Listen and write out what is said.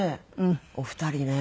お二人ね。